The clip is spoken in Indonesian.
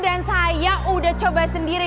saya udah coba sendiri